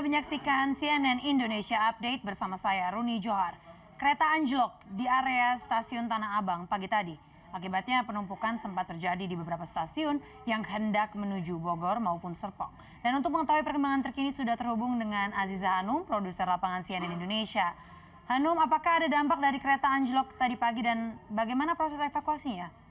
jangan lupa subscribe channel ini untuk dapat info terbaru dari kami